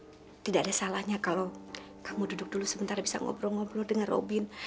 tidak ada salahnya kalau kamu duduk dulu sebentar bisa ngobrol ngobrol dengan robin